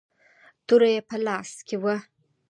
توره يې په لاس کې وه.